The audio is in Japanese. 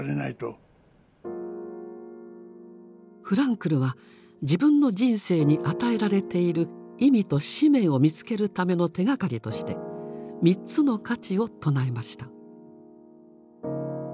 フランクルは自分の人生に与えられている意味と使命を見つけるための手がかりとして「三つの価値」を唱えました。